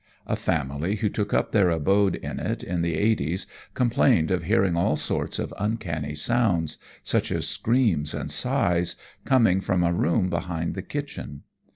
A family who took up their abode in it in the 'eighties complained of hearing all sorts of uncanny sounds such as screams and sighs coming from a room behind the kitchen.